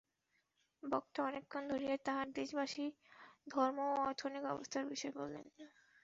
বক্তা অনেকক্ষণ ধরিয়া তাঁহার দেশবাসীর ধর্ম ও অর্থনৈতিক অবস্থার বিষয় বলেন।